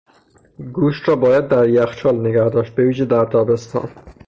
گوشت را باید در یخچال نگهداشت، به ویژه در تابستان.